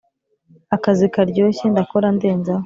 Akazi karyoshye ndakora ndenzaho